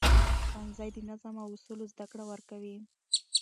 ښوونځی د نظم او اصولو زده کړه ورکوي